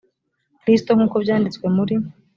kristo nkuko byanditswe muri